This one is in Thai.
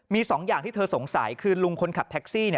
มีสองอย่างที่เธอสงสัยคือลุงคนขับแท็กซี่